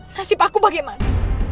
nasib aku bagaimana